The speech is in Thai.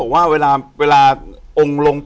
อยู่ที่แม่ศรีวิรัยิลครับ